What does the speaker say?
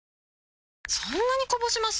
そんなにこぼします？